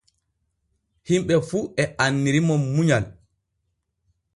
Himɓe fu e annirimo munyal.